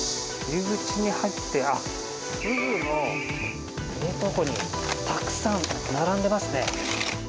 入り口に入って、あっ、すぐの冷凍庫に、たくさん並んでますね。